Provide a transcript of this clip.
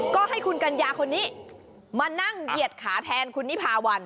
ก็ให้คุณกัญญาคนนี้มานั่งเหยียดขาแทนคุณนิพาวัน